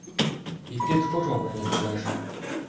І ти тхором мене зовеш!